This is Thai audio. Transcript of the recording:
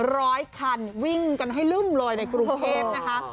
ร้อยคันวิ่งกันให้ลึ่มเลยในกรุงเทพนะคะ